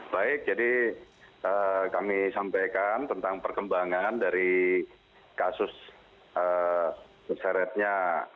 baik jadi kami sampaikan tentang perkembangan dari kasus terseretnya